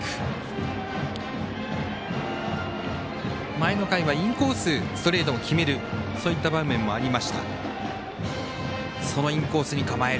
前の回はインコースストレートも決めるそういった場面もありました。